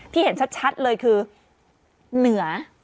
เห็นชัดเลยคือเหนือ